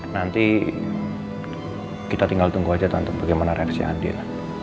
nanti kita tinggal tunggu aja tante bagaimana reaksi andin